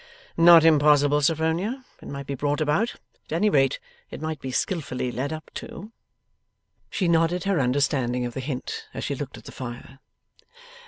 'Not impossible, Sophronia. It might be brought about. At any rate it might be skilfully led up to.' She nodded her understanding of the hint, as she looked at the fire.